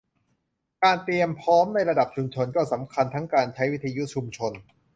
การเตรียมพร้อมในระดับชุมชนก็สำคัญทั้งการใช้วิทยุชุมชน